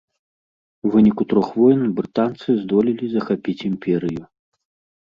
У выніку трох войн брытанцы здолелі захапіць імперыю.